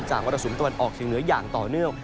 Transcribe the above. จากวัตรศูนย์ตะวันออกถึงเหนืออย่างต่อเนื่อง